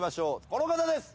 この方です。